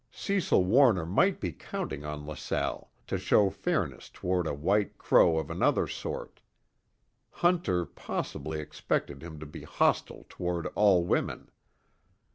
Cecil Warner might be counting on LaSalle to show fairness toward a white crow of another sort; Hunter possibly expected him to be hostile toward all women.